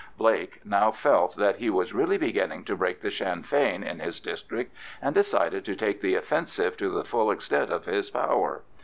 Blake now felt that he was really beginning to break the Sinn Fein in his district, and decided to take the offensive to the full extent of his power.